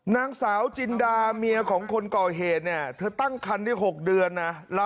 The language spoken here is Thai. นางสาวจินดามียาของคนก่อเหตุเธอตั้งคันที่๖เดือน